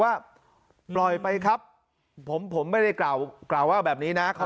ว่าพลอยไปครับผมไม่ได้กล่าวแบบนี้นะ